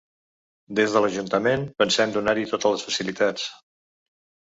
Des de l'ajuntament pensem donar-hi totes les facilitats.